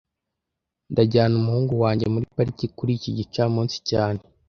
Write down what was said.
Ndajyana umuhungu wanjye muri pariki kuri iki gicamunsi cyane